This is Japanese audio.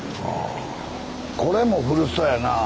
これも古そうやな。